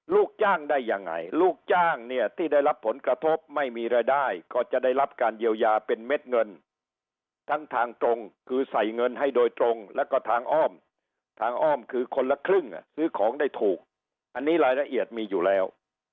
ลูกจ้างได้ยังไงลูกจ้างเนี่ยที่ได้รับผลกระทบไม่มีรายได้ก็จะได้รับการเยียวยาเป็นเม็ดเงินทั้งทางตรงคือใส่เงินให้โดยตรงแล้วก็ทางอ้อมทางอ้อมคือคนละครึ่งซื้อของได้ถูกอันนี้รายละเอียดมีอยู่แล้ว